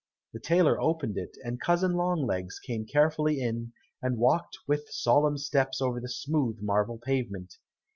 The tailor opened it, and cousin Longlegs came carefully in, and walked with solemn steps over the smooth marble pavement.